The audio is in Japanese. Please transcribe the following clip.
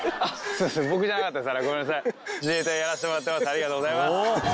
ありがとうございます。